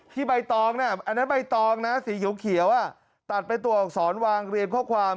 ที่ใบตองนะอันนั้นใบตองสีเขียวตัดไปตรวงศรวางเรียนข้อความ